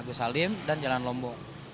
agus salim dan jalan lombok